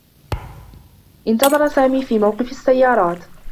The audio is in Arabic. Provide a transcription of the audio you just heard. انتظر سامي في موقف السّيّارات.